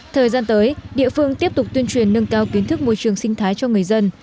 thời gian tới địa phương tiếp tục tuyên truyền nâng cao kiến thức môi trường sinh thái cho người dân